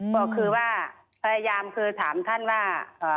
ก็คือว่าพยายามคือถามท่านว่า